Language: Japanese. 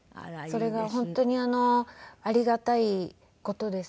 それが本当にありがたい事です。